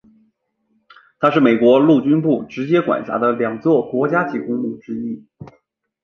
它是美国陆军部直接管辖的两座国家级公墓之一。